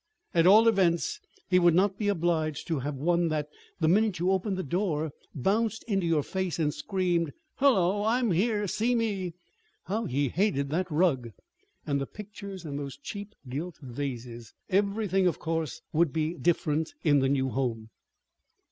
At all events, he would not be obliged to have one that, the minute you opened the door, bounced into your face and screamed "Hullo! I'm here. See me!" How he hated that rug! And the pictures and those cheap gilt vases everything, of course, would be different in the new home.